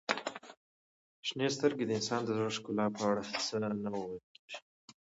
• شنې سترګې د انسان د زړه ښکلا په اړه څه نه ویل کیږي.